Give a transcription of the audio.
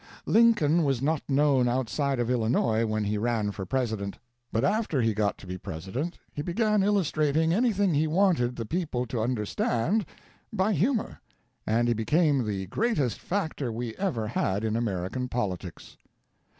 Lincoln was not known outside of Illinois when he ran for President, but after he got to be President he began illustrating anything he wanted the people to understand by humor, and he became the greatest factor we ever had in American politics.